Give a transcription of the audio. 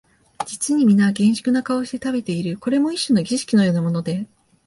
実にみな厳粛な顔をして食べている、これも一種の儀式のようなもので、